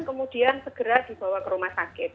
kemudian segera dibawa ke rumah sakit